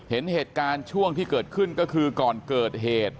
เห็นเหตุการณ์ช่วงที่เกิดขึ้นก็คือก่อนเกิดเหตุ